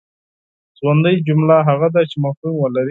ژوندۍ جمله هغه ده چي مفهوم ولري.